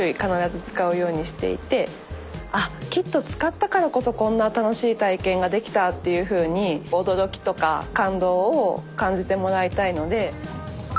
あっキット使ったからこそこんな楽しい体験ができたっていうふうに驚きとか感動を感じてもらいたいので。